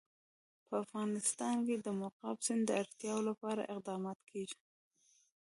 په افغانستان کې د مورغاب سیند د اړتیاوو لپاره اقدامات کېږي.